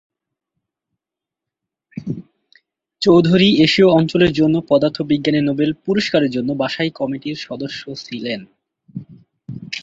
চৌধুরী এশীয় অঞ্চলের জন্য পদার্থবিজ্ঞানে নোবেল পুরস্কারের জন্য বাছাই কমিটির সদস্য ছিলেন।